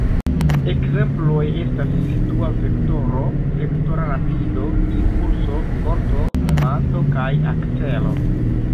Ekzemploj estas situa vektoro, vektora rapido, impulso, forto, momanto kaj akcelo.